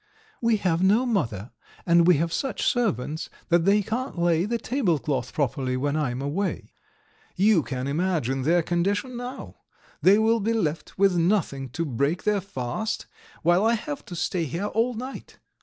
We have no mother, and we have such servants that they can't lay the tablecloth properly when I am away. You can imagine their condition now! They will be left with nothing to break their fast, while I have to stay here all night.